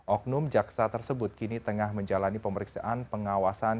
oknum jaksa tersebut kini tengah menjalani pemeriksaan pengawasan